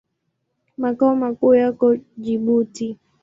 Makao makuu yake yako Jibuti.